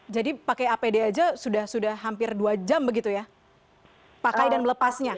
jadi pakai apd aja sudah hampir dua jam begitu ya pakai dan melepasnya